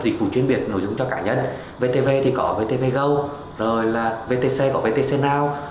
dịch vụ truyền biệt nội dung cho cả nhân vtv thì có vtv go rồi là vtc có vtc now